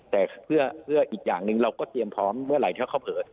แต่เพื่ออีกอย่างหนึ่งเราก็เตรียมพร้อมเมื่อไหร่ถ้าเขาเผย